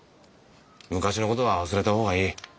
昔のことは忘れた方がいい。